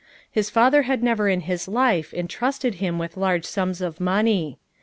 Ins father had never in his life entrusted him with large sums of money.